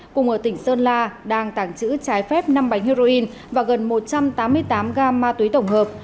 cùng ở tỉnh sơn la đang tàng trữ trái phép năm bánh heroin và gần một trăm tám mươi tám gam ma túy tổng hợp